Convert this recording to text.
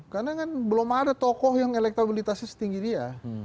karena kan belum ada tokoh yang elektabilitasnya setinggi dia